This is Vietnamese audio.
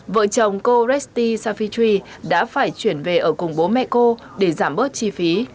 vợ chồng cô resti safichi đã phải chuyển về ở cùng bố mẹ cô để giảm bớt chi phí